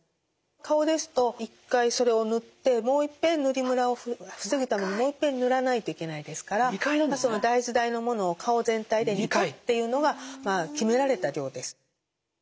顔ですと１回それを塗ってもういっぺん塗りむらを防ぐためにもういっぺん塗らないといけないですから大豆大のものを顔全体で２回っていうのが決められた量です。